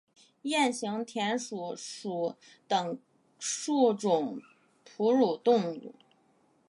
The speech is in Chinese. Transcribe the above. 鼹形田鼠属等数种哺乳动物。